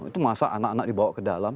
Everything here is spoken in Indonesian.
itu masa anak anak dibawa ke dalam